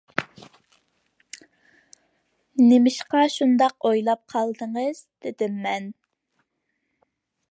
— نېمىشقا شۇنداق ئويلاپ قالدىڭىز، — دېدىم مەن.